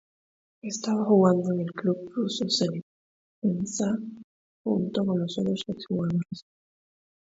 Estaba jugando en el club ruso Zenit Penza junto con otros ex jugadores.